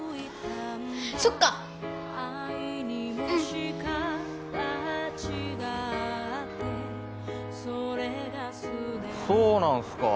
そっかうんそうなんすか